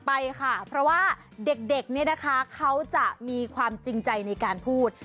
ไปค่ะเพราะว่าเด็กเนี่ยนะคะเขาจะมีความจริงใจในการพูด